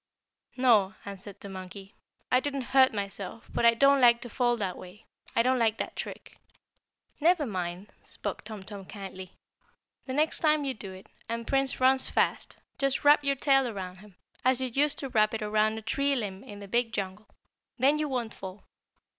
"No," answered the monkey, "I didn't hurt myself, but I don't like to fall that way. I don't like that trick." "Never mind," spoke Tum Tum kindly. "The next time you do it, and Prince runs fast, just wrap your tail around him, as you used to wrap it around a tree limb in the big jungle. Then you won't fall."